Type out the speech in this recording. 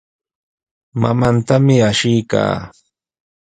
Mamaatami ashiykaa.